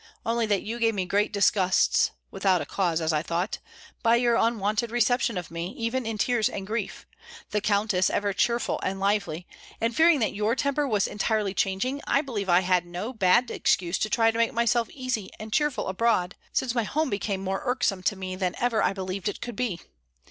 only that you gave me great disgusts (without cause, as I thought,) by your unwonted reception of me, ever in tears and grief; the Countess ever cheerful and lively; and fearing that your temper was entirely changing, I believe I had no bad excuse to try to make myself easy and cheerful abroad, since my home became more irksome to me than ever I believed it could be.